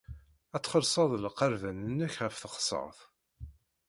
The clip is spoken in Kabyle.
Ad txellṣeḍ lqerban-nnek ɣer teɣsert.